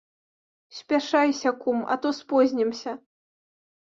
Спяшайся, кум, а то спознімся.